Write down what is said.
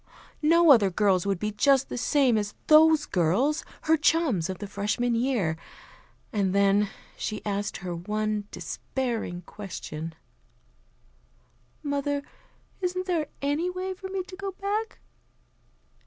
No other girls would be just the same as those girls, her chums of the Freshman year. And then she asked her one despairing question: "Mother, isn't there any way for me to go back?"